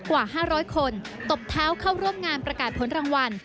กว่า๕๐๐คนตบเท้าเข้าร่วมงานประกาศผลรางวัล